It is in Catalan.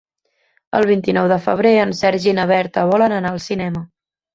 El vint-i-nou de febrer en Sergi i na Berta volen anar al cinema.